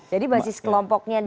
jadi basis kelompoknya dia